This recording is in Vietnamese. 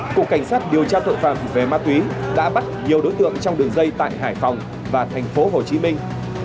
cục cảnh sát điều tra tội phạm về ma túy đã bắt nhiều đối tượng trong đường dây tại hải phòng và thành phố hồ chí minh